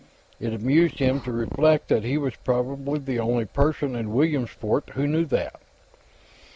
It amused him to reflect that he was probably the only person in Williamsport who knew that.